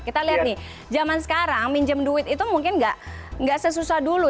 kita lihat nih zaman sekarang minjem duit itu mungkin nggak sesusah dulu